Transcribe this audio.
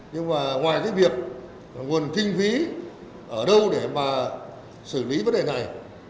nhưng mà ngoài cái việc nguồn kinh phí ở đâu để mà xử lý vấn đề này